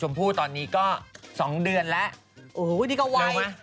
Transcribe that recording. มากตายแล้ว